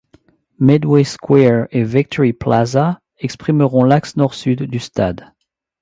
Midway Square et Victory Plaza exprimeront l'axe nord-sud du stade.